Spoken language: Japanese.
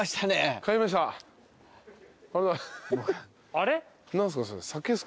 あれ？